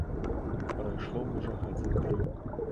Прайшло можа гадзін тры.